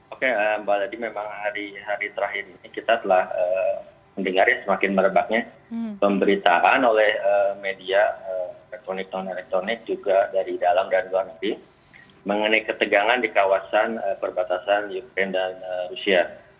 oke mbak lady memang hari terakhir ini kita telah mendengar semakin merebaknya pemberitaan oleh media elektronik non elektronik juga dari dalam dan luar negeri mengenai ketegangan di kawasan perbatasan ukraine dan rusia